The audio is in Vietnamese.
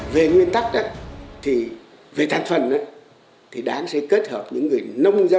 về nguyên tắc về thành phần thì đảng sẽ kết hợp những người nông dân